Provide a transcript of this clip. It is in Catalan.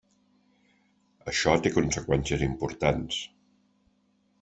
Això té conseqüències importants.